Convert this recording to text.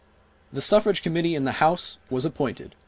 ." The Suffrage Committee in the House was appointed.